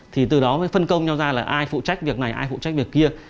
thì từ đó mới phân công nhau ra là ai phụ trách việc này ai phụ trách việc kia